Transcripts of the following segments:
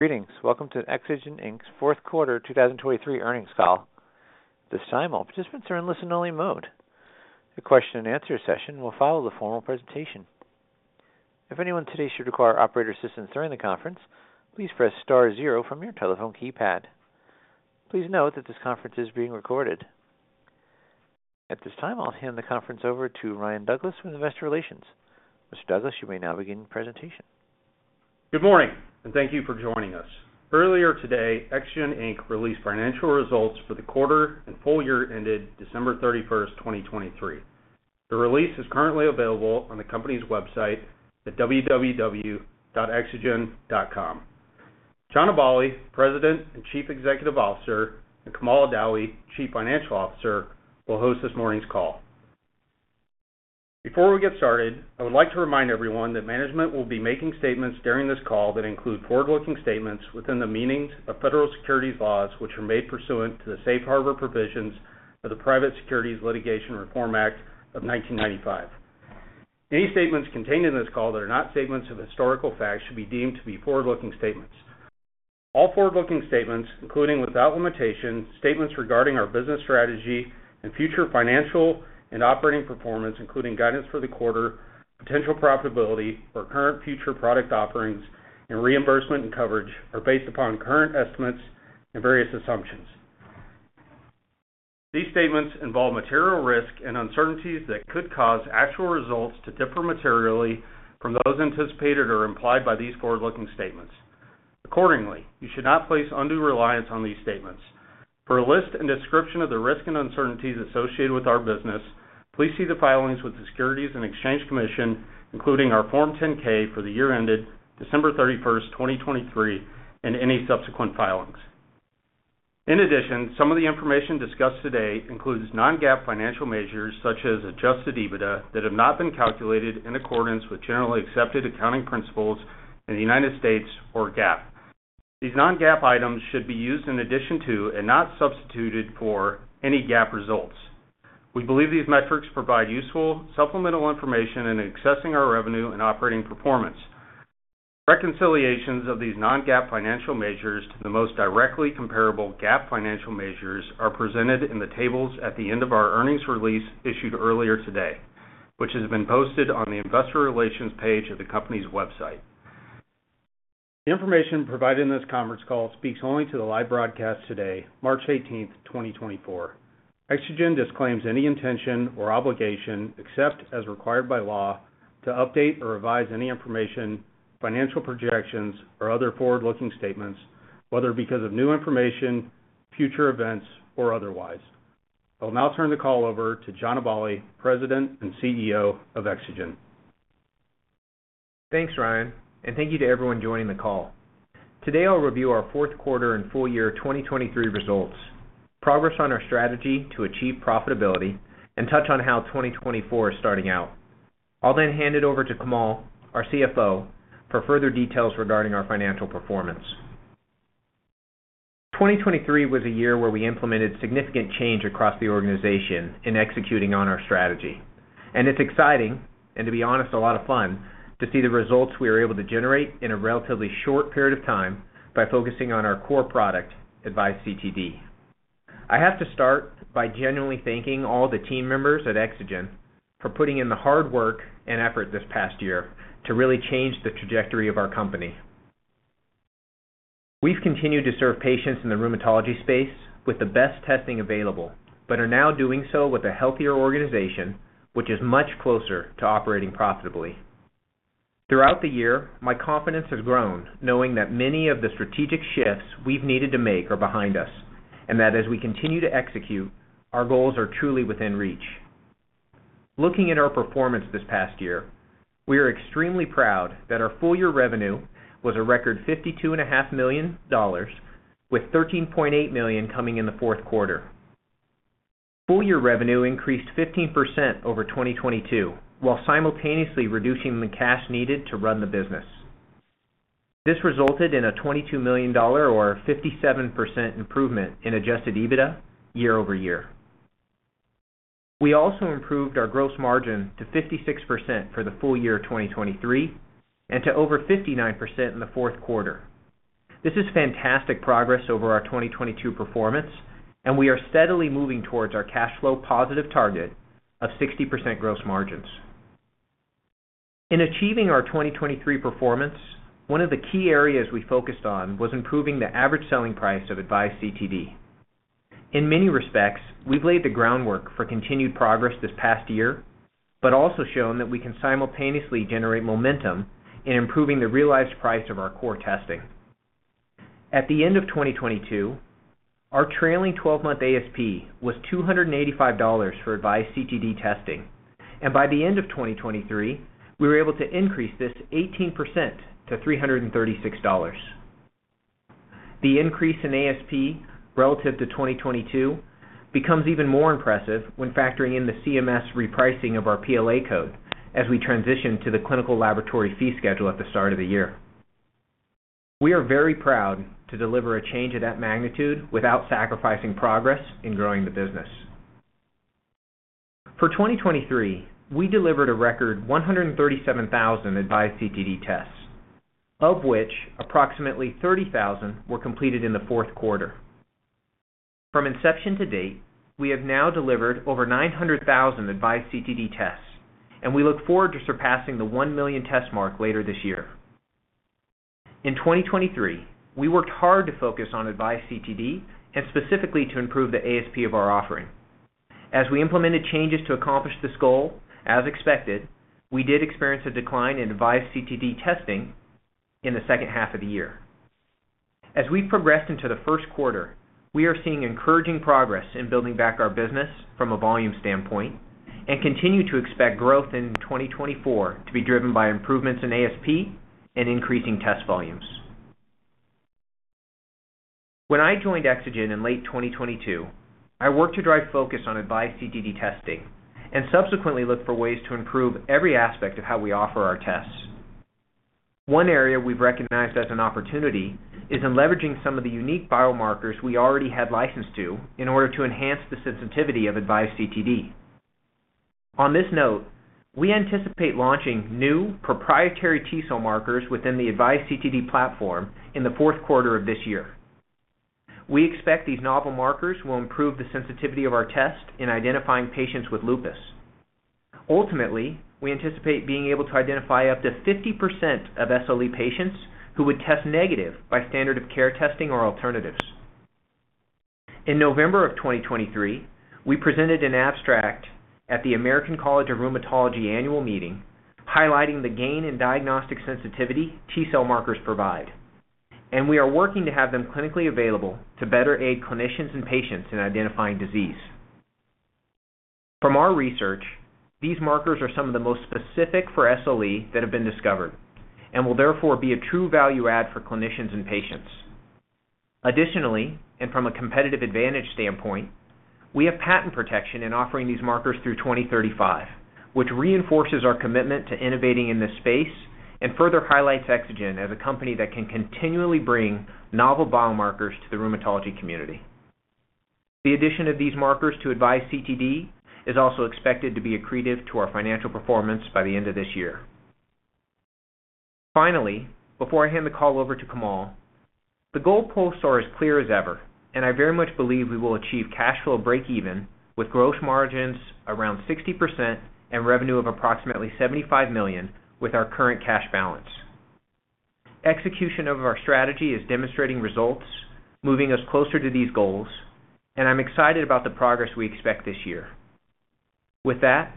Greetings. Welcome to Exagen Inc.'s fourth quarter 2023 earnings call. This time all participants are in listen-only mode. A question-and-answer session will follow the formal presentation. If anyone today should require operator assistance during the conference, please press star zero from your telephone keypad. Please note that this conference is being recorded. At this time I'll hand the conference over to Ryan Douglas from Investor Relations. Mr. Douglas, you may now begin your presentation. Good morning, and thank you for joining us. Earlier today Exagen Inc. released financial results for the quarter and full year ended December 31, 2023. The release is currently available on the company's website at www.exagen.com. John Aballi, President and Chief Executive Officer, and Kamal Adawi, Chief Financial Officer, will host this morning's call. Before we get started, I would like to remind everyone that management will be making statements during this call that include forward-looking statements within the meanings of federal securities laws which are made pursuant to the Safe Harbor provisions of the Private Securities Litigation Reform Act of 1995. Any statements contained in this call that are not statements of historical facts should be deemed to be forward-looking statements. All forward-looking statements, including without limitation, statements regarding our business strategy and future financial and operating performance, including guidance for the quarter, potential profitability for current future product offerings, and reimbursement and coverage, are based upon current estimates and various assumptions. These statements involve material risk and uncertainties that could cause actual results to differ materially from those anticipated or implied by these forward-looking statements. Accordingly, you should not place undue reliance on these statements. For a list and description of the risk and uncertainties associated with our business, please see the filings with the Securities and Exchange Commission, including our Form 10-K for the year ended December 31, 2023, and any subsequent filings. In addition, some of the information discussed today includes non-GAAP financial measures such as Adjusted EBITDA that have not been calculated in accordance with generally accepted accounting principles in the United States or GAAP. These non-GAAP items should be used in addition to and not substituted for any GAAP results. We believe these metrics provide useful supplemental information in assessing our revenue and operating performance. Reconciliations of these non-GAAP financial measures to the most directly comparable GAAP financial measures are presented in the tables at the end of our earnings release issued earlier today, which has been posted on the Investor Relations page of the company's website. The information provided in this conference call speaks only to the live broadcast today, March 18, 2024. Exagen disclaims any intention or obligation, except as required by law, to update or revise any information, financial projections, or other forward-looking statements, whether because of new information, future events, or otherwise. I will now turn the call over to John Aballi, President and CEO of Exagen. Thanks, Ryan, and thank you to everyone joining the call. Today I'll review our fourth quarter and full year 2023 results, progress on our strategy to achieve profitability, and touch on how 2024 is starting out. I'll then hand it over to Kamal, our CFO, for further details regarding our financial performance. 2023 was a year where we implemented significant change across the organization in executing on our strategy, and it's exciting and, to be honest, a lot of fun to see the results we were able to generate in a relatively short period of time by focusing on our core product, AVISE CTD. I have to start by genuinely thanking all the team members at Exagen for putting in the hard work and effort this past year to really change the trajectory of our company. We've continued to serve patients in the rheumatology space with the best testing available, but are now doing so with a healthier organization which is much closer to operating profitably. Throughout the year, my confidence has grown knowing that many of the strategic shifts we've needed to make are behind us and that as we continue to execute, our goals are truly within reach. Looking at our performance this past year, we are extremely proud that our full year revenue was a record $52.5 million, with $13.8 million coming in the fourth quarter. Full year revenue increased 15% over 2022 while simultaneously reducing the cash needed to run the business. This resulted in a $22 million or 57% improvement in adjusted EBITDA year-over-year. We also improved our gross margin to 56% for the full year 2023 and to over 59% in the fourth quarter. This is fantastic progress over our 2022 performance, and we are steadily moving towards our cash flow positive target of 60% gross margins. In achieving our 2023 performance, one of the key areas we focused on was improving the average selling price of AVISE CTD. In many respects, we've laid the groundwork for continued progress this past year but also shown that we can simultaneously generate momentum in improving the realized price of our core testing. At the end of 2022, our trailing 12-month ASP was $285 for AVISE CTD testing, and by the end of 2023, we were able to increase this 18% to $336. The increase in ASP relative to 2022 becomes even more impressive when factoring in the CMS repricing of our PLA code as we transition to the Llinical laboratory Fee Schedule at the start of the year. We are very proud to deliver a change of that magnitude without sacrificing progress in growing the business. For 2023, we delivered a record 137,000 AVISE CTD tests, of which approximately 30,000 were completed in the fourth quarter. From inception to date, we have now delivered over 900,000 AVISE CTD tests, and we look forward to surpassing the 1 million test mark later this year. In 2023, we worked hard to focus on AVISE CTD and specifically to improve the ASP of our offering. As we implemented changes to accomplish this goal, as expected, we did experience a decline in AVISE CTD testing in the second half of the year. As we've progressed into the first quarter, we are seeing encouraging progress in building back our business from a volume standpoint and continue to expect growth in 2024 to be driven by improvements in ASP and increasing test volumes. When I joined Exagen in late 2022, I worked to drive focus on AVISE CTD testing and subsequently looked for ways to improve every aspect of how we offer our tests. One area we've recognized as an opportunity is in leveraging some of the unique biomarkers we already had licensed to in order to enhance the sensitivity of AVISE CTD. On this note, we anticipate launching new proprietary T-cell markers within the AVISE CTD platform in the fourth quarter of this year. We expect these novel markers will improve the sensitivity of our test in identifying patients with lupus. Ultimately, we anticipate being able to identify up to 50% of SLE patients who would test negative by standard of care testing or alternatives. In November of 2023, we presented an abstract at the American College of Rheumatology annual meeting highlighting the gain in diagnostic sensitivity T-cell markers provide, and we are working to have them clinically available to better aid clinicians and patients in identifying disease. From our research, these markers are some of the most specific for SLE that have been discovered and will therefore be a true value add for clinicians and patients. Additionally, and from a competitive advantage standpoint, we have patent protection in offering these markers through 2035, which reinforces our commitment to innovating in this space and further highlights Exagen as a company that can continually bring novel biomarkers to the rheumatology community. The addition of these markers to AVISE CTD is also expected to be accretive to our financial performance by the end of this year. Finally, before I hand the call over to Kamal, the goalposts are as clear as ever, and I very much believe we will achieve cash flow break-even with gross margins around 60% and revenue of approximately $75 million with our current cash balance. Execution of our strategy is demonstrating results moving us closer to these goals, and I'm excited about the progress we expect this year. With that,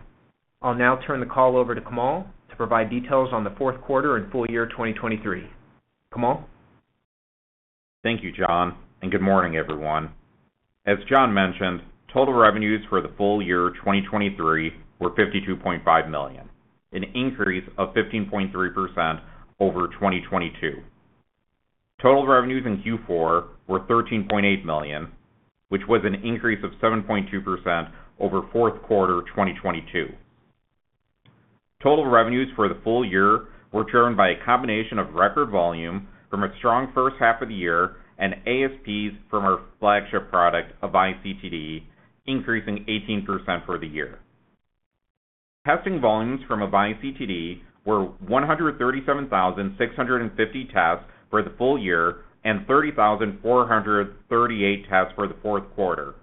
I'll now turn the call over to Kamal to provide details on the fourth quarter and full year 2023. Kamal? Thank you, John, and good morning, everyone. As John mentioned, total revenues for the full year 2023 were $52.5 million, an increase of 15.3% over 2022. Total revenues in Q4 were $13.8 million, which was an increase of 7.2% over fourth quarter 2022. Total revenues for the full year were driven by a combination of record volume from a strong first half of the year and ASPs from our flagship product, AVISE CTD, increasing 18% for the year. Testing volumes from AVISE CTD were 137,650 tests for the full year and 30,438 tests for the fourth quarter.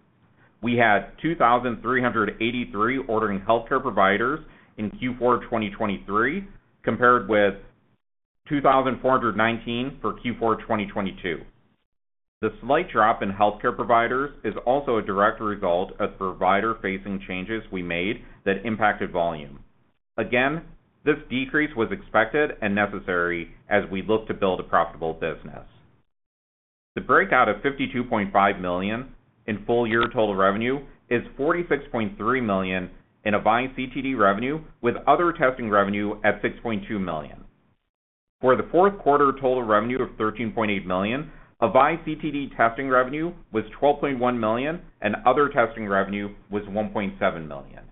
We had 2,383 ordering healthcare providers in Q4 2023 compared with 2,419 for Q4 2022. The slight drop in healthcare providers is also a direct result of provider-facing changes we made that impacted volume. Again, this decrease was expected and necessary as we look to build a profitable business. The breakout of $52.5 million in full year total revenue is $46.3 million in AVISE CTD revenue with other testing revenue at $6.2 million. For the fourth quarter total revenue of $13.8 million, AVISE CTD testing revenue was $12.1 million and other testing revenue was $1.7 million.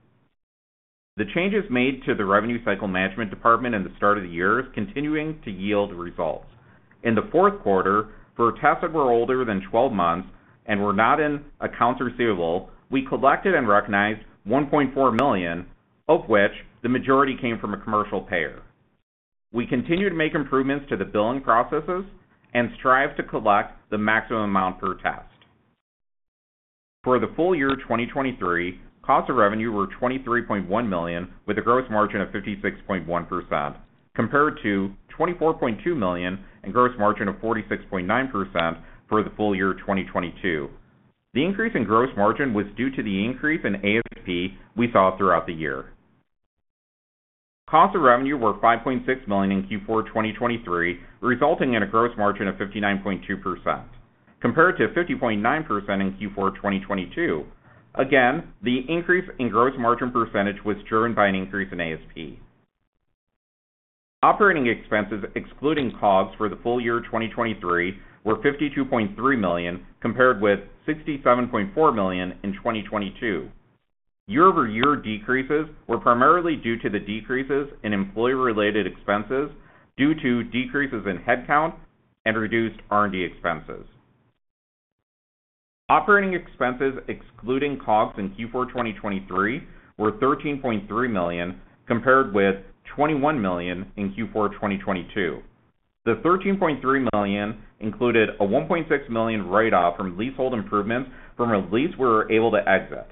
The changes made to the revenue cycle management department in the start of the year are continuing to yield results. In the fourth quarter, for tests that were older than 12 months and were not in accounts receivable, we collected and recognized $1.4 million, of which the majority came from a commercial payer. We continue to make improvements to the billing processes and strive to collect the maximum amount per test. For the full year 2023, cost of revenue were $23.1 million with a gross margin of 56.1% compared to $24.2 million and gross margin of 46.9% for the full year 2022. The increase in gross margin was due to the increase in ASP we saw throughout the year. Cost of revenue were $5.6 million in Q4 2023, resulting in a gross margin of 59.2% compared to 50.9% in Q4 2022. Again, the increase in gross margin percentage was driven by an increase in ASP. Operating expenses excluding COGS for the full year 2023 were $52.3 million compared with $67.4 million in 2022. Year-over-year decreases were primarily due to the decreases in employee-related expenses due to decreases in headcount and reduced R&D expenses. Operating expenses excluding COGS in Q4 2023 were $13.3 million compared with $21 million in Q4 2022. The $13.3 million included a $1.6 million write-off from leasehold improvements from a lease we were able to exit.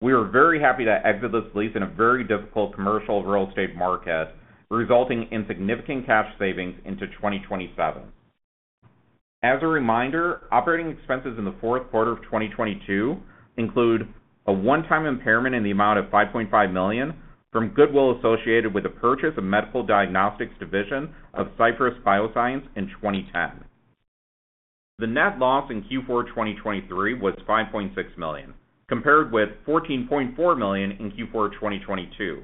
We were very happy to exit this lease in a very difficult commercial real estate market, resulting in significant cash savings into 2027. As a reminder, operating expenses in the fourth quarter of 2022 include a one-time impairment in the amount of $5.5 million from goodwill associated with the purchase of Medical Diagnostics Division of Cypress Bioscience in 2010. The net loss in Q4 2023 was $5.6 million compared with $14.4 million in Q4 2022.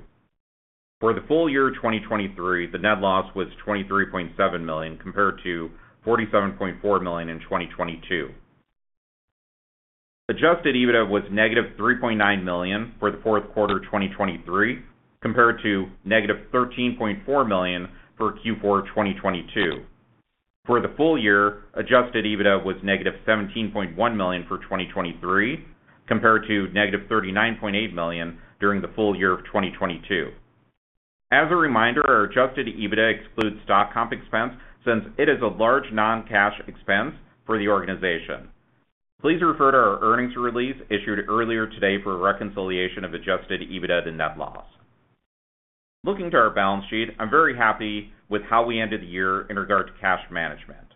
For the full year 2023, the net loss was $23.7 million compared to $47.4 million in 2022. Adjusted EBITDA was negative $3.9 million for the fourth quarter 2023 compared to negative $13.4 million for Q4 2022. For the full year, adjusted EBITDA was negative $17.1 million for 2023 compared to negative $39.8 million during the full year of 2022. As a reminder, our adjusted EBITDA excludes stock comp expense since it is a large non-cash expense for the organization. Please refer to our earnings release issued earlier today for reconciliation of adjusted EBITDA to net loss. Looking to our balance sheet, I'm very happy with how we ended the year in regard to cash management.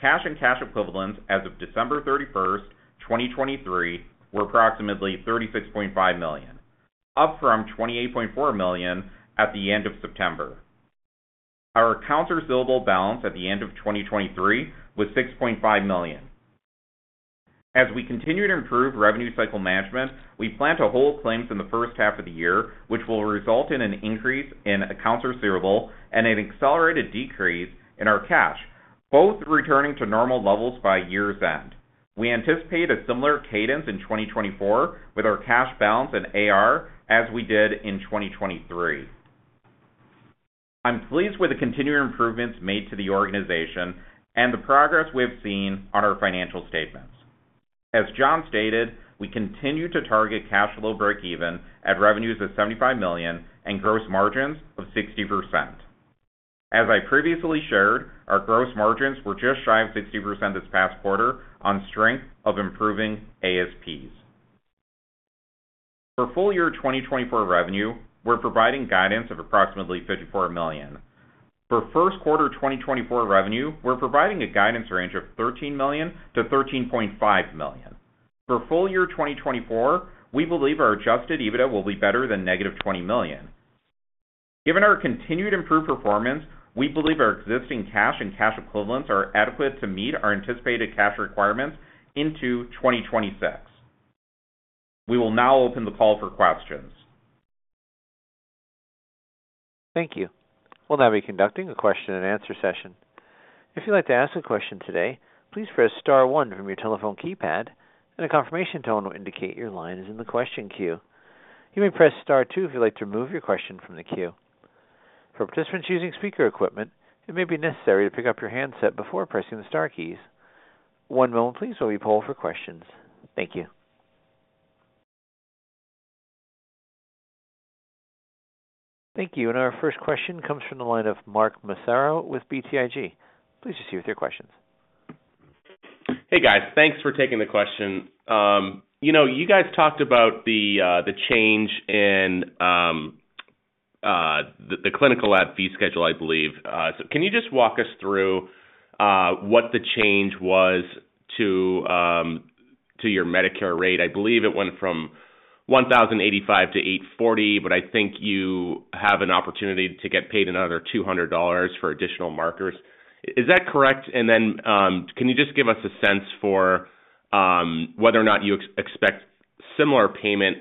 Cash and cash equivalents as of December 31st, 2023, were approximately $36.5 million, up from $28.4 million at the end of September. Our accounts receivable balance at the end of 2023 was $6.5 million. As we continue to improve revenue cycle management, we plan to hold claims in the first half of the year, which will result in an increase in accounts receivable and an accelerated decrease in our cash, both returning to normal levels by year's end. We anticipate a similar cadence in 2024 with our cash balance and AR as we did in 2023. I'm pleased with the continued improvements made to the organization and the progress we have seen on our financial statements. As John stated, we continue to target cash flow break-even at revenues of $75 million and gross margins of 60%. As I previously shared, our gross margins were just shy of 60% this past quarter on strength of improving ASPs. For full year 2024 revenue, we're providing guidance of approximately $54 million. For first quarter 2024 revenue, we're providing a guidance range of $13 million-$13.5 million. For full year 2024, we believe our adjusted EBITDA will be better than negative $20 million. Given our continued improved performance, we believe our existing cash and cash equivalents are adequate to meet our anticipated cash requirements into 2026. We will now open the call for questions. Thank you. We'll now be conducting a question and answer session. If you'd like to ask a question today, please press star one from your telephone keypad, and a confirmation tone will indicate your line is in the question queue. You may press star two if you'd like to remove your question from the queue. For participants using speaker equipment, it may be necessary to pick up your handset before pressing the star keys. One moment, please, while we poll for questions. Thank you. Thank you. Our first question comes from the line of Mark Massaro with BTIG. Please proceed with your questions. Hey, guys. Thanks for taking the question. You guys talked about the change in the Clinical Laboratory Fee Schedule, I believe. So can you just walk us through what the change was to your Medicare rate? I believe it went from $1,085 to $840, but I think you have an opportunity to get paid another $200 for additional markers. Is that correct? And then can you just give us a sense for whether or not you expect similar payment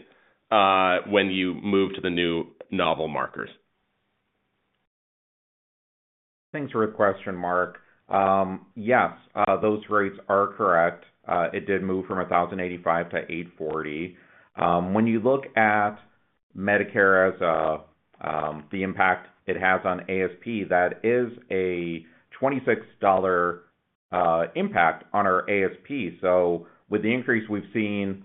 when you move to the new novel markers? Thanks for the question, Mark. Yes, those rates are correct. It did move from $1,085 to $840. When you look at Medicare as the impact it has on ASP, that is a $26 impact on our ASP. So with the increase we've seen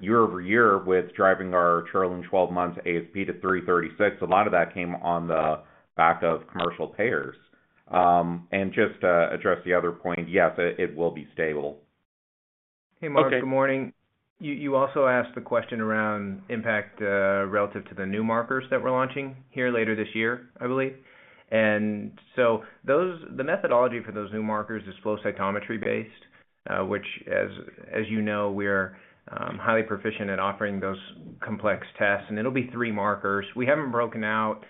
year-over-year with driving our trailing 12-month ASP to $336, a lot of that came on the back of commercial payers. Just to address the other point, yes, it will be stable. Hey, Mark, good morning. You also asked the question around impact relative to the new markers that we're launching here later this year, I believe. And so the methodology for those new markers is flow cytometry-based, which, as you know, we're highly proficient at offering those complex tests. And it'll be three markers. We haven't broken out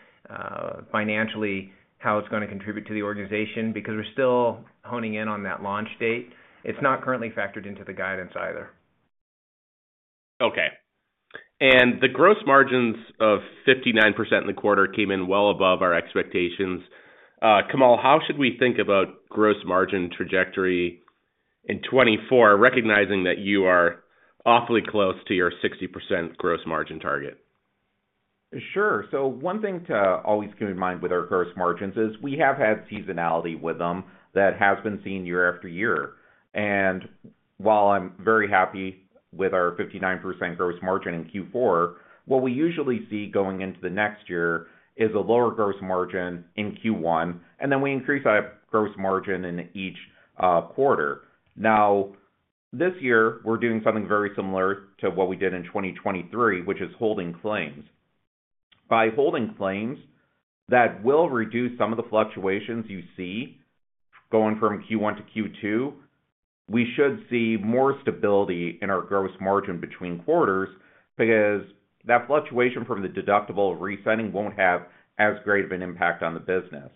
financially how it's going to contribute to the organization because we're still honing in on that launch date. It's not currently factored into the guidance either. Okay. And the gross margins of 59% in the quarter came in well above our expectations. Kamal, how should we think about gross margin trajectory in 2024, recognizing that you are awfully close to your 60% gross margin target? Sure. So one thing to always keep in mind with our gross margins is we have had seasonality with them that has been seen year after year. And while I'm very happy with our 59% gross margin in Q4, what we usually see going into the next year is a lower gross margin in Q1, and then we increase our gross margin in each quarter. Now, this year, we're doing something very similar to what we did in 2023, which is holding claims. By holding claims, that will reduce some of the fluctuations you see going from Q1 to Q2. We should see more stability in our gross margin between quarters because that fluctuation from the deductible resetting won't have as great of an impact on the business.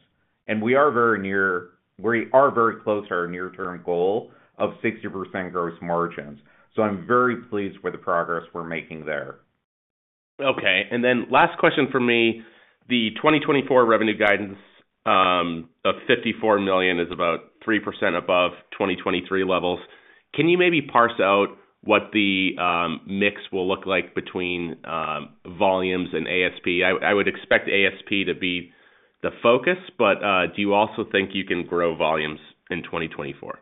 We are very close to our near-term goal of 60% gross margins. I'm very pleased with the progress we're making there. Okay. And then last question from me. The 2024 revenue guidance of $54 million is about 3% above 2023 levels. Can you maybe parse out what the mix will look like between volumes and ASP? I would expect ASP to be the focus, but do you also think you can grow volumes in 2024?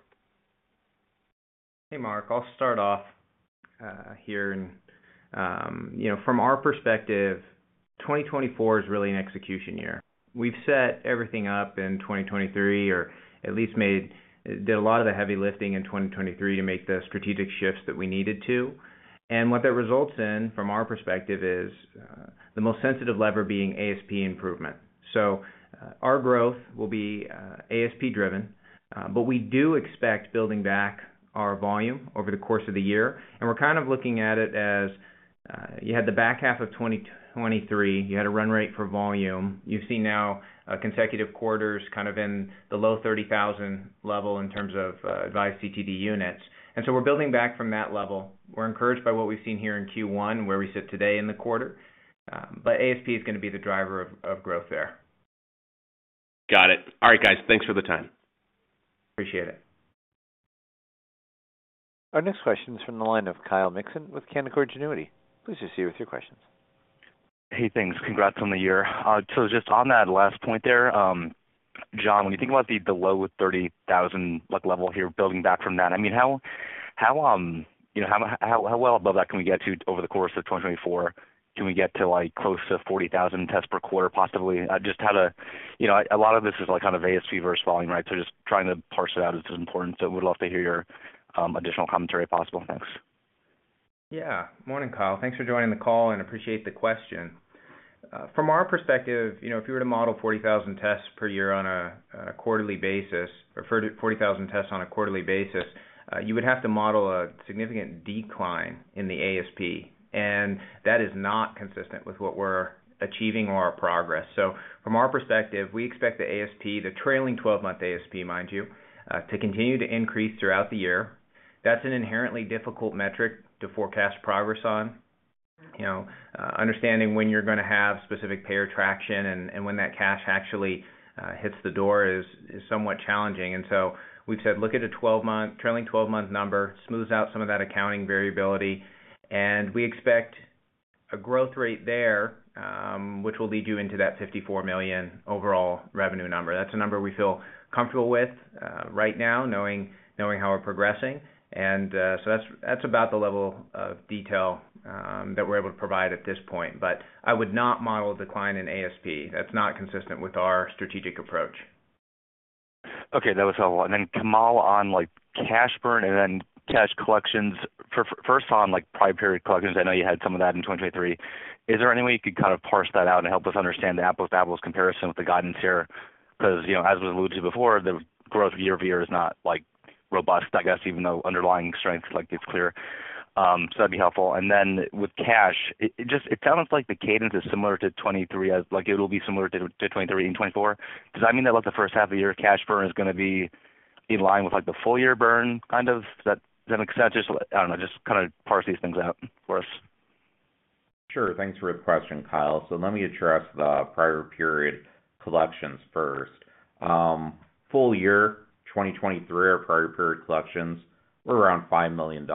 Hey, Mark. I'll start off here. And from our perspective, 2024 is really an execution year. We've set everything up in 2023 or at least did a lot of the heavy lifting in 2023 to make the strategic shifts that we needed to. And what that results in, from our perspective, is the most sensitive lever being ASP improvement. So our growth will be ASP-driven, but we do expect building back our volume over the course of the year. And we're kind of looking at it as you had the back half of 2023. You had a run rate for volume. You've seen now consecutive quarters kind of in the low 30,000 level in terms of AVISE CTD units. And so we're building back from that level. We're encouraged by what we've seen here in Q1, where we sit today in the quarter. But ASP is going to be the driver of growth there. Got it. All right, guys. Thanks for the time. Appreciate it. Our next question is from the line of Kyle Mixon with Canaccord Genuity. Please proceed with your questions. Hey, thanks. Congrats on the year. So just on that last point there, John, when you think about the low 30,000 level here, building back from that, I mean, how well above that can we get to over the course of 2024? Can we get close to 40,000 tests per quarter, possibly? Just how to a lot of this is kind of ASP versus volume, right? So just trying to parse it out is important. So we'd love to hear your additional commentary, if possible. Thanks. Yeah. Morning, Kyle. Thanks for joining the call, and appreciate the question. From our perspective, if you were to model 40,000 tests per year on a quarterly basis or 40,000 tests on a quarterly basis, you would have to model a significant decline in the ASP. And that is not consistent with what we're achieving or our progress. So from our perspective, we expect the ASP, the trailing 12-month ASP, mind you, to continue to increase throughout the year. That's an inherently difficult metric to forecast progress on. Understanding when you're going to have specific payer traction and when that cash actually hits the door is somewhat challenging. And so we've said, "Look at a trailing 12-month number. Smooth out some of that accounting variability." And we expect a growth rate there, which will lead you into that $54 million overall revenue number. That's a number we feel comfortable with right now, knowing how we're progressing. And so that's about the level of detail that we're able to provide at this point. But I would not model a decline in ASP. That's not consistent with our strategic approach. Okay. That was helpful. And then, Kamal, on cash burn and then cash collections, first on prior-period collections. I know you had some of that in 2023. Is there any way you could kind of parse that out and help us understand the apples-to-apples comparison with the guidance here? Because as was alluded to before, the growth year-over-year is not robust, I guess, even though underlying strength is clear. So that'd be helpful. And then with cash, it sounds like the cadence is similar to 2023. It'll be similar to 2023 and 2024. Does that mean that the first half of the year cash burn is going to be in line with the full-year burn kind of? Does that make sense? I don't know. Just kind of parse these things out for us. Sure. Thanks for the question, Kyle. So let me address the prior-period collections first. Full year 2023 or prior-period collections, we're around $5 million.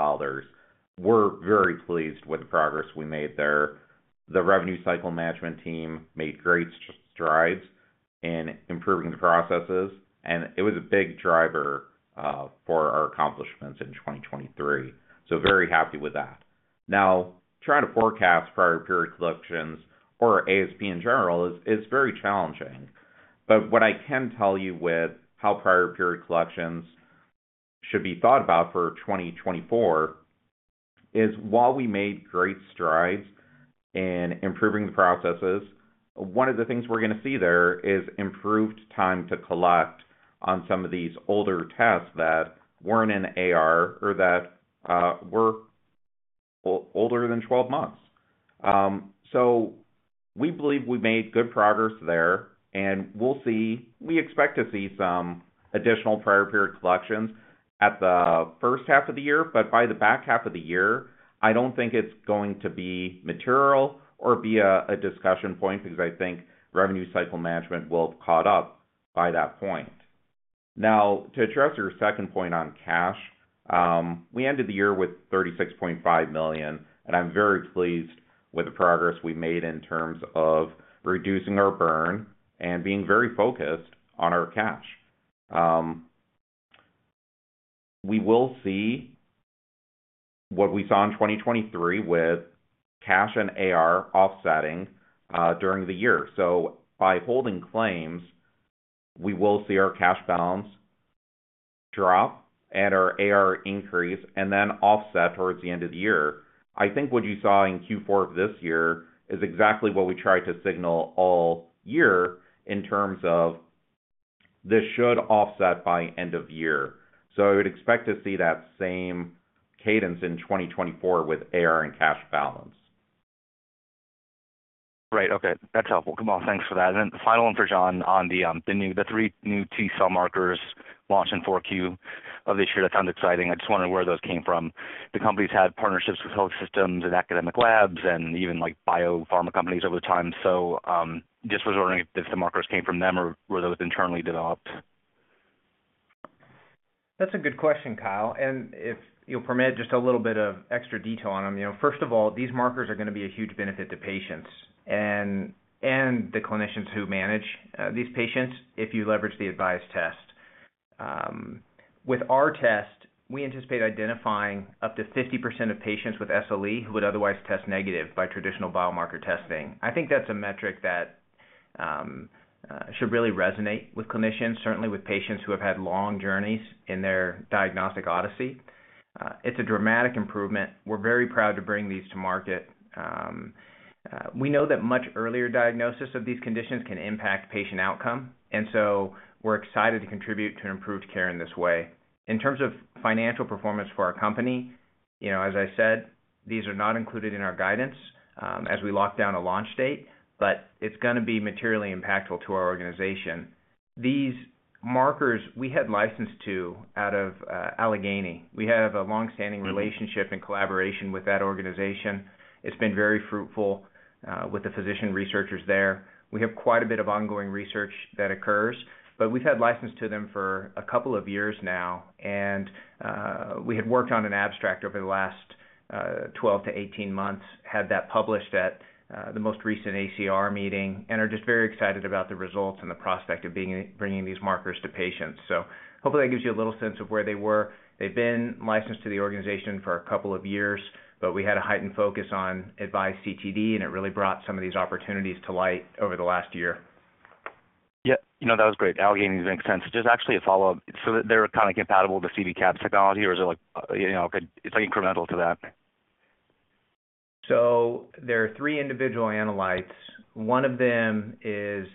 We're very pleased with the progress we made there. The revenue cycle management team made great strides in improving the processes, and it was a big driver for our accomplishments in 2023. So very happy with that. Now, trying to forecast prior-period collections or ASP in general is very challenging. But what I can tell you with how prior-period collections should be thought about for 2024 is while we made great strides in improving the processes, one of the things we're going to see there is improved time to collect on some of these older tests that weren't in AR or that were older than 12 months. So we believe we made good progress there, and we'll see. We expect to see some additional prior-period collections at the first half of the year. But by the back half of the year, I don't think it's going to be material or be a discussion point because I think revenue cycle management will have caught up by that point. Now, to address your second point on cash, we ended the year with $36.5 million, and I'm very pleased with the progress we made in terms of reducing our burn and being very focused on our cash. We will see what we saw in 2023 with cash and AR offsetting during the year. So by holding claims, we will see our cash balance drop and our AR increase and then offset towards the end of the year. I think what you saw in Q4 of this year is exactly what we tried to signal all year in terms of this should offset by end of year. I would expect to see that same cadence in 2024 with AR and cash balance. Right. Okay. That's helpful. Kamal, thanks for that. And then the final one for John on the three new T-cell markers launched in Q4 of this year. That sounded exciting. I just wondered where those came from. The company's had partnerships with health systems and academic labs and even biopharma companies over time. So just was wondering if the markers came from them or were those internally developed. That's a good question, Kyle. And if you'll permit just a little bit of extra detail on them. First of all, these markers are going to be a huge benefit to patients and the clinicians who manage these patients if you leverage the AVISE test. With our test, we anticipate identifying up to 50% of patients with SLE who would otherwise test negative by traditional biomarker testing. I think that's a metric that should really resonate with clinicians, certainly with patients who have had long journeys in their diagnostic odyssey. It's a dramatic improvement. We're very proud to bring these to market. We know that much earlier diagnosis of these conditions can impact patient outcome. And so we're excited to contribute to an improved care in this way. In terms of financial performance for our company, as I said, these are not included in our guidance as we lock down a launch date, but it's going to be materially impactful to our organization. These markers, we had license to out of Allegheny. We have a longstanding relationship and collaboration with that organization. It's been very fruitful with the physician researchers there. We have quite a bit of ongoing research that occurs, but we've had license to them for a couple of years now. And we had worked on an abstract over the last 12-18 months, had that published at the most recent ACR meeting, and are just very excited about the results and the prospect of bringing these markers to patients. So hopefully, that gives you a little sense of where they were. They've been licensed to the organization for a couple of years, but we had a heightened focus on AVISE CTD, and it really brought some of these opportunities to light over the last year. Yeah. That was great. Allegheny's making sense. Just actually a follow-up. So they're kind of compatible with the CB-CAPs technology, or is it like it's incremental to that? So there are three individual analytes. One of them is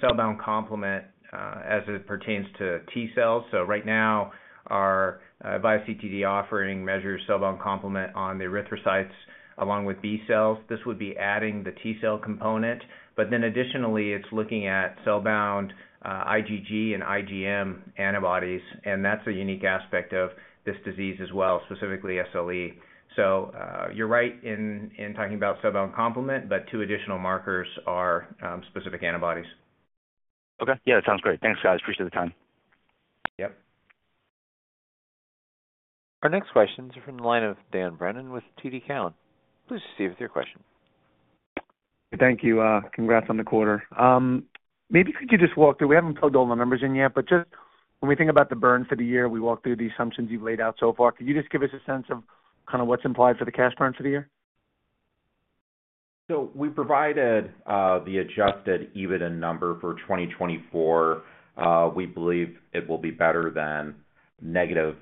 cell-bound complement as it pertains to T-cells. So right now, our AVISE CTD offering measures cell-bound complement on the erythrocytes along with B-cells. This would be adding the T-cell component. But then additionally, it's looking at cell-bound IgG and IgM antibodies. And that's a unique aspect of this disease as well, specifically SLE. So you're right in talking about cell-bound complement, but two additional markers are specific antibodies. Okay. Yeah. That sounds great. Thanks, guys. Appreciate the time. Yep. Our next questions are from the line of Dan Brennan with TD Cowen. Please proceed with your question. Thank you. Congrats on the quarter. Maybe could you just walk through, we haven't told all the numbers in yet, but just when we think about the burn for the year, we walk through the assumptions you've laid out so far. Could you just give us a sense of kind of what's implied for the cash burn for the year? We provided the Adjusted EBITDA number for 2024. We believe it will be better than negative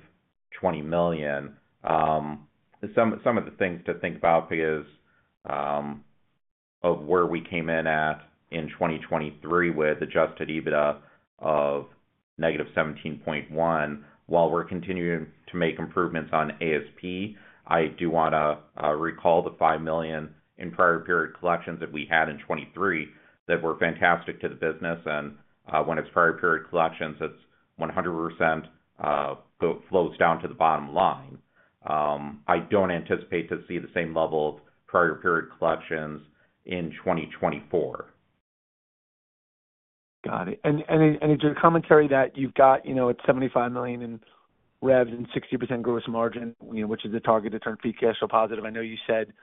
$20 million. Some of the things to think about because of where we came in at in 2023 with Adjusted EBITDA of negative $17.1 million. While we're continuing to make improvements on ASP, I do want to recall the $5 million in prior-period collections that we had in 2023 that were fantastic to the business. When it's prior-period collections, it 100% flows down to the bottom line. I don't anticipate to see the same level of prior-period collections in 2024. Got it. Is there commentary that you've got it's $75 million in revenue and 60% gross margin, which is the target to turn free cash flow positive? I know you said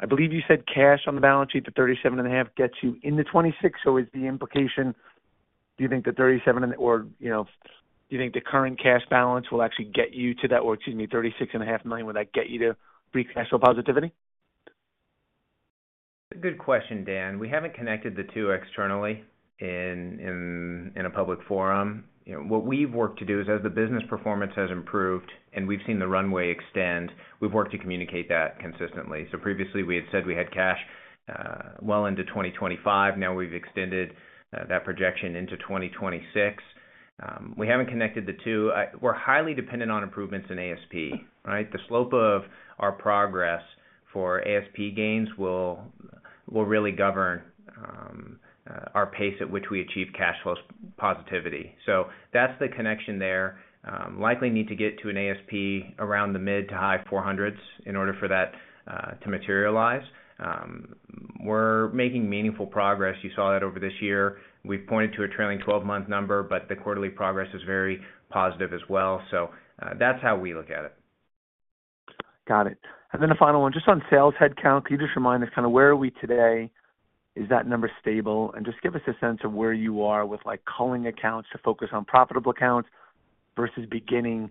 I believe you said cash on the balance sheet, the $37.5, gets you in the $26. So is the implication do you think the $37 or do you think the current cash balance will actually get you to that or excuse me, $36.5 million will that get you to free cash flow positivity? Good question, Dan. We haven't connected the two externally in a public forum. What we've worked to do is as the business performance has improved and we've seen the runway extend, we've worked to communicate that consistently. So previously, we had said we had cash well into 2025. Now we've extended that projection into 2026. We haven't connected the two. We're highly dependent on improvements in ASP, right? The slope of our progress for ASP gains will really govern our pace at which we achieve cash flow positivity. So that's the connection there. Likely need to get to an ASP around the mid- to high-$400s in order for that to materialize. We're making meaningful progress. You saw that over this year. We've pointed to a trailing 12-month number, but the quarterly progress is very positive as well. So that's how we look at it. Got it. Then the final one, just on sales headcount, could you just remind us kind of where are we today? Is that number stable? Just give us a sense of where you are with culling accounts to focus on profitable accounts versus beginning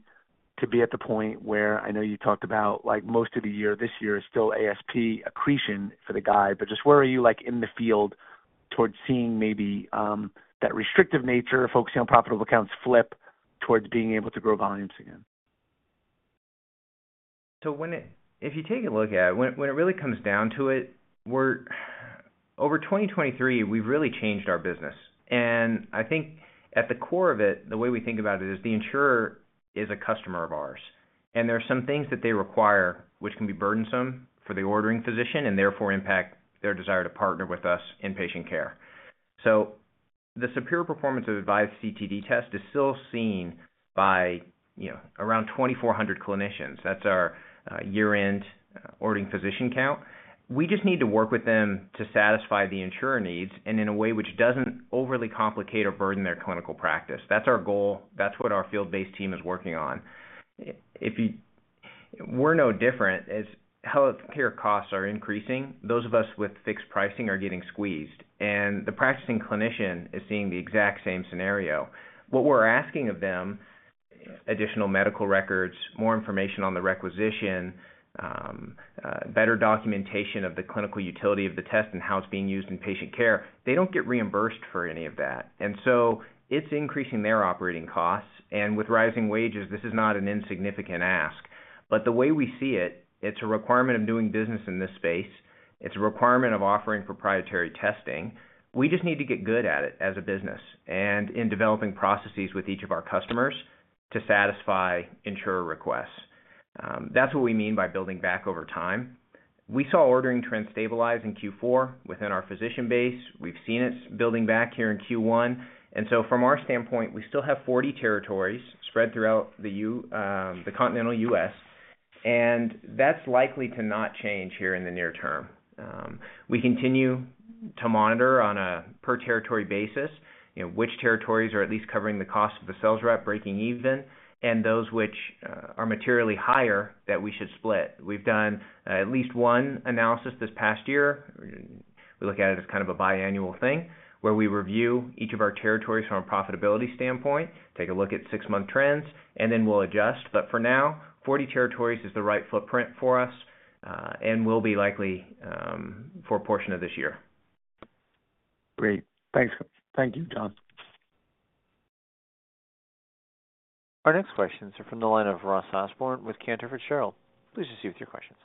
to be at the point where I know you talked about most of the year this year is still ASP accretion for the guide. But just where are you in the field towards seeing maybe that restrictive nature, focusing on profitable accounts flip towards being able to grow volumes again? So if you take a look at it, when it really comes down to it, over 2023, we've really changed our business. And I think at the core of it, the way we think about it is the insurer is a customer of ours. And there are some things that they require which can be burdensome for the ordering physician and therefore impact their desire to partner with us in patient care. So the superior performance of AVISE CTD test is still seen by around 2,400 clinicians. That's our year-end ordering physician count. We just need to work with them to satisfy the insurer needs and in a way which doesn't overly complicate or burden their clinical practice. That's our goal. That's what our field-based team is working on. We're no different. As healthcare costs are increasing, those of us with fixed pricing are getting squeezed. And the practicing clinician is seeing the exact same scenario. What we're asking of them, additional medical records, more information on the requisition, better documentation of the clinical utility of the test and how it's being used in patient care, they don't get reimbursed for any of that. And so it's increasing their operating costs. And with rising wages, this is not an insignificant ask. But the way we see it, it's a requirement of doing business in this space. It's a requirement of offering proprietary testing. We just need to get good at it as a business and in developing processes with each of our customers to satisfy insurer requests. That's what we mean by building back over time. We saw ordering trends stabilize in Q4 within our physician base. We've seen it building back here in Q1. From our standpoint, we still have 40 territories spread throughout the continental U.S. That's likely to not change here in the near term. We continue to monitor on a per-territory basis which territories are at least covering the cost of the sales rep breaking even and those which are materially higher that we should split. We've done at least one analysis this past year. We look at it as kind of a biannual thing where we review each of our territories from a profitability standpoint, take a look at six-month trends, and then we'll adjust. But for now, 40 territories is the right footprint for us and will be likely for a portion of this year. Great. Thank you, John. Our next questions are from the line of Ross Osborn with Cantor Fitzgerald. Please proceed with your questions.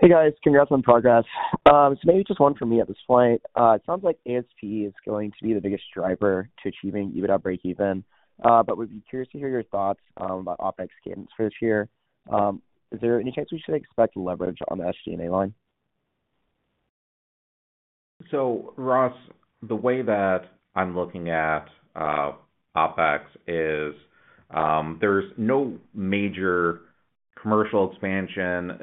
Hey, guys. Congrats on progress. Maybe just one from me at this point. It sounds like ASP is going to be the biggest driver to achieving EBITDA break-even. But we'd be curious to hear your thoughts about OpEx cadence for this year. Is there any chance we should expect leverage on the SG&A line? So Ross, the way that I'm looking at OpEx is there's no major commercial expansion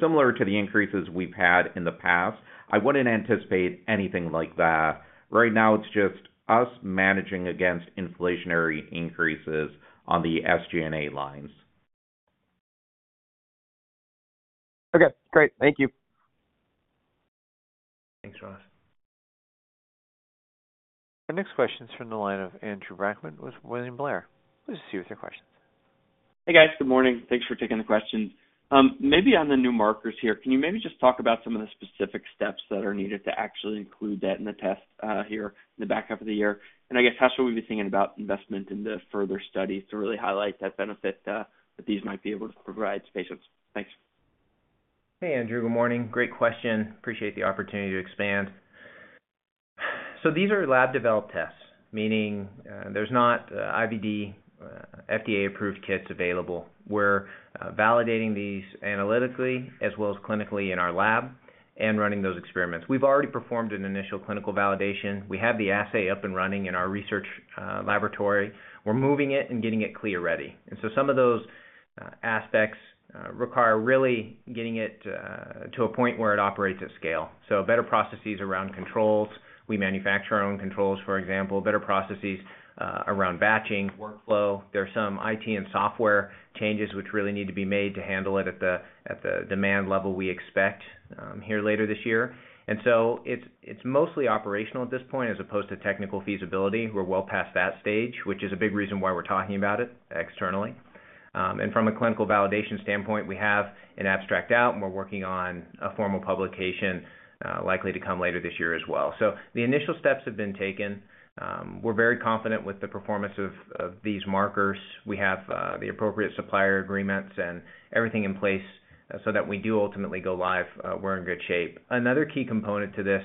similar to the increases we've had in the past. I wouldn't anticipate anything like that. Right now, it's just us managing against inflationary increases on the SG&A lines. Okay. Great. Thank you. Thanks, Ross. Our next question's from the line of Andrew Brackman with William Blair. Please proceed with your questions. Hey, guys. Good morning. Thanks for taking the questions. Maybe on the new markers here, can you maybe just talk about some of the specific steps that are needed to actually include that in the test here in the back half of the year? And I guess how should we be thinking about investment in the further studies to really highlight that benefit that these might be able to provide to patients? Thanks. Hey, Andrew. Good morning. Great question. Appreciate the opportunity to expand. So these are lab-developed tests, meaning there's not IVD FDA-approved kits available. We're validating these analytically as well as clinically in our lab and running those experiments. We've already performed an initial clinical validation. We have the assay up and running in our research laboratory. We're moving it and getting it CLIA-ready. And so some of those aspects require really getting it to a point where it operates at scale. So better processes around controls. We manufacture our own controls, for example, better processes around batching, workflow. There are some IT and software changes which really need to be made to handle it at the demand level we expect here later this year. And so it's mostly operational at this point as opposed to technical feasibility. We're well past that stage, which is a big reason why we're talking about it externally. From a clinical validation standpoint, we have an abstract out, and we're working on a formal publication likely to come later this year as well. The initial steps have been taken. We're very confident with the performance of these markers. We have the appropriate supplier agreements and everything in place so that we do ultimately go live. We're in good shape. Another key component to this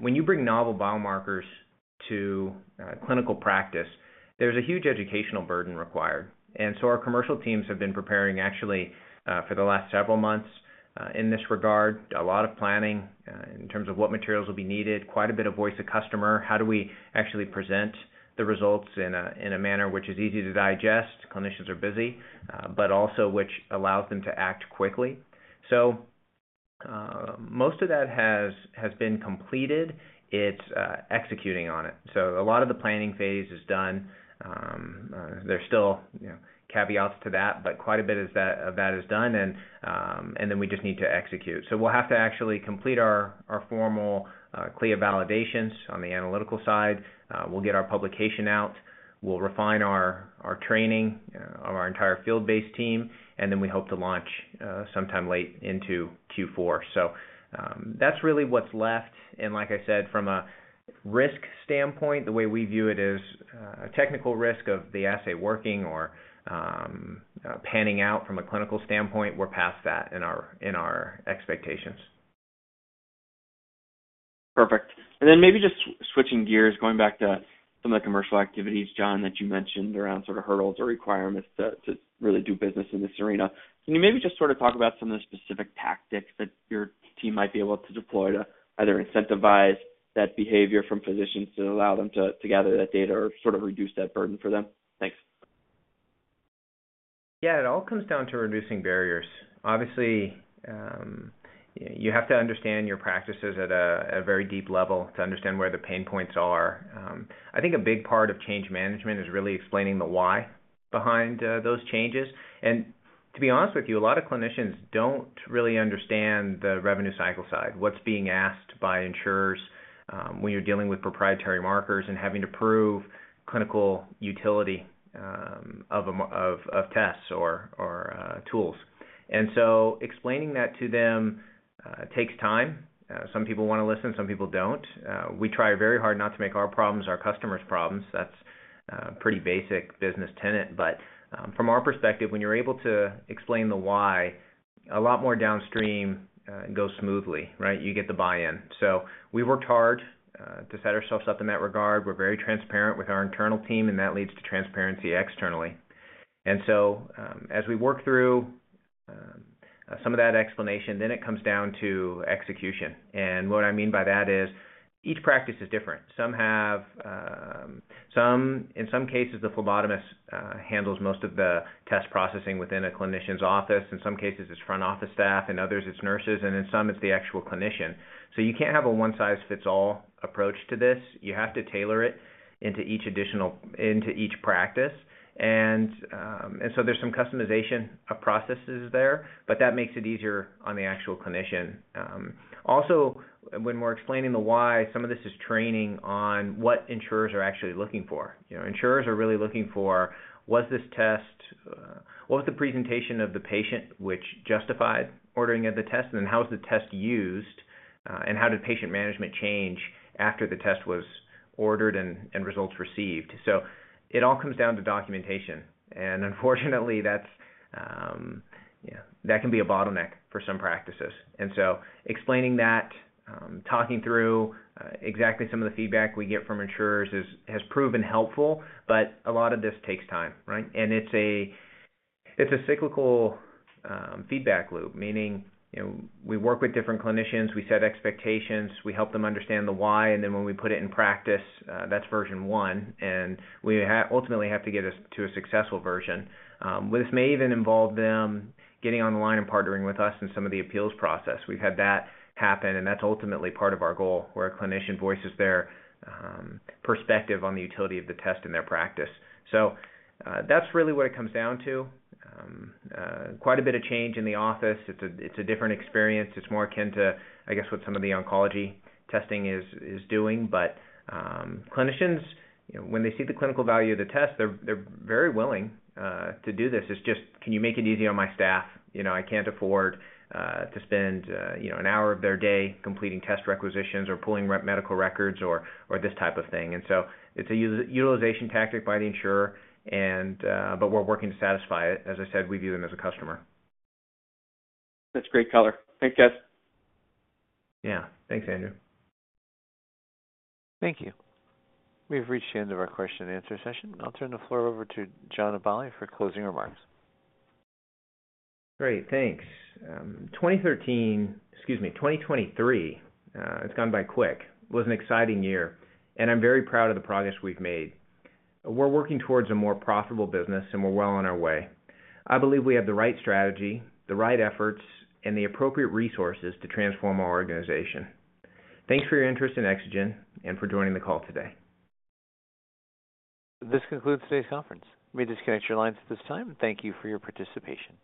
when you bring novel biomarkers to clinical practice, there's a huge educational burden required. Our commercial teams have been preparing actually for the last several months in this regard, a lot of planning in terms of what materials will be needed, quite a bit of voice of customer, how do we actually present the results in a manner which is easy to digest, clinicians are busy, but also which allows them to act quickly. Most of that has been completed. It's executing on it. A lot of the planning phase is done. There's still caveats to that, but quite a bit of that is done, and then we just need to execute. We'll have to actually complete our formal CLIA validations on the analytical side. We'll get our publication out. We'll refine our training of our entire field-based team, and then we hope to launch sometime late into Q4. That's really what's left. And like I said, from a risk standpoint, the way we view it is a technical risk of the assay working or panning out from a clinical standpoint. We're past that in our expectations. Perfect. Then maybe just switching gears, going back to some of the commercial activities, John, that you mentioned around sort of hurdles or requirements to really do business in this arena, can you maybe just sort of talk about some of the specific tactics that your team might be able to deploy to either incentivize that behavior from physicians to allow them to gather that data or sort of reduce that burden for them? Thanks. Yeah. It all comes down to reducing barriers. Obviously, you have to understand your practices at a very deep level to understand where the pain points are. I think a big part of change management is really explaining the why behind those changes. And to be honest with you, a lot of clinicians don't really understand the revenue cycle side, what's being asked by insurers when you're dealing with proprietary markers and having to prove clinical utility of tests or tools. And so explaining that to them takes time. Some people want to listen. Some people don't. We try very hard not to make our problems our customer's problems. That's pretty basic business tenet. But from our perspective, when you're able to explain the why, a lot more downstream goes smoothly, right? You get the buy-in. So we've worked hard to set ourselves up in that regard. We're very transparent with our internal team, and that leads to transparency externally. And so as we work through some of that explanation, then it comes down to execution. And what I mean by that is each practice is different. In some cases, the phlebotomist handles most of the test processing within a clinician's office. In some cases, it's front office staff. In others, it's nurses. And in some, it's the actual clinician. So you can't have a one-size-fits-all approach to this. You have to tailor it into each practice. And so there's some customization of processes there, but that makes it easier on the actual clinician. Also, when we're explaining the why, some of this is training on what insurers are actually looking for. Insurers are really looking for: was this test what was the presentation of the patient which justified ordering of the test? And then how was the test used? And how did patient management change after the test was ordered and results received? So it all comes down to documentation. And unfortunately, that can be a bottleneck for some practices. And so explaining that, talking through exactly some of the feedback we get from insurers has proven helpful, but a lot of this takes time, right? And it's a cyclical feedback loop, meaning we work with different clinicians. We set expectations. We help them understand the why. And then when we put it in practice, that's version one. And we ultimately have to get us to a successful version. This may even involve them getting on the line and partnering with us in some of the appeals process. We've had that happen, and that's ultimately part of our goal where a clinician voices their perspective on the utility of the test in their practice. So that's really what it comes down to. Quite a bit of change in the office. It's a different experience. It's more akin to, I guess, what some of the oncology testing is doing. But clinicians, when they see the clinical value of the test, they're very willing to do this. It's just, can you make it easy on my staff? I can't afford to spend an hour of their day completing test requisitions or pulling medical records or this type of thing. And so it's a utilization tactic by the insurer, but we're working to satisfy it. As I said, we view them as a customer. That's great color. Thanks, guys. Yeah. Thanks, Andrew. Thank you. We've reached the end of our question-and-answer session. I'll turn the floor over to John Aballi for closing remarks. Great. Thanks. Excuse me. 2023 has gone by quick. It was an exciting year, and I'm very proud of the progress we've made. We're working towards a more profitable business, and we're well on our way. I believe we have the right strategy, the right efforts, and the appropriate resources to transform our organization. Thanks for your interest in Exagen and for joining the call today. This concludes today's conference. Let me disconnect your lines at this time. Thank you for your participation.